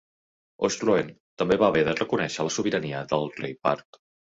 Osroene també va haver de reconèixer la sobirania del rei part.